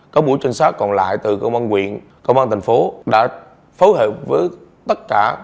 có bộ trinh sát còn lại từ công an quyền công an tình phố đã phối hợp với tất cả